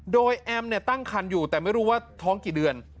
โดยแอมตั้งคันอยู่แต่ไม่รู้ว่าท้องกี่เดือน